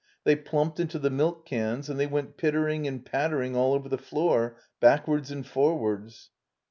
They plumped into the milk cans, and they went pittering and pattering all over the floor, back wards and forwards.